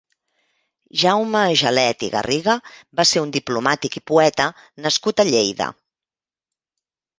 Jaume Agelet i Garriga va ser un diplomàtic i poeta nascut a Lleida.